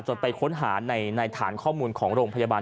ไปค้นหาในฐานข้อมูลของโรงพยาบาล